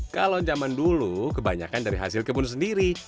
kalau zaman dulu kebanyakan dari hasil kebun sendiri